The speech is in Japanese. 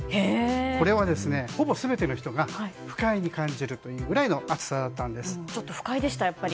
これは、ほぼ全ての人が不快に感じるくらいのちょっと不快でした。